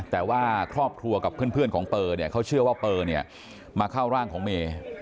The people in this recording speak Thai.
แต่ว่าครอบครัวกับเพื่อนของเปอร์เนี่ยเขาเชื่อว่าเปอร์เนี่ยมาเข้าร่างของเมย์